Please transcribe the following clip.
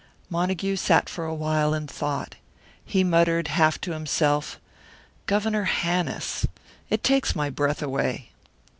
Montague sat for a while in thought. He muttered, half to himself, "Governor Hannis! It takes my breath away!"